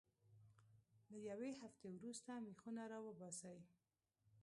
له یوې هفتې وروسته میخونه را وباسئ.